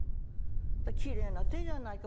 「きれいな手じゃないか。